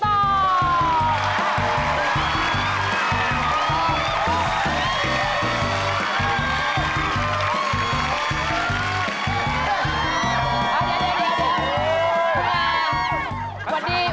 เอาเดี๋ยว